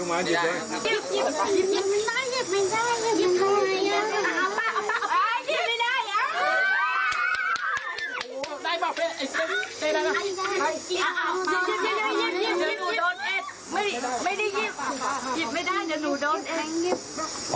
ไม่ได้ยิบ